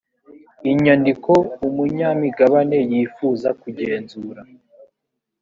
inyandiko umunyamigabane yifuza kugenzura